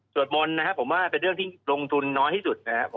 มนต์นะครับผมว่าเป็นเรื่องที่ลงทุนน้อยที่สุดนะครับ